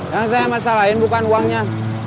yang saya masalahin bukan uangnya